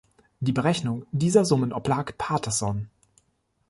Die Berechnung dieser Summen oblag Paterson.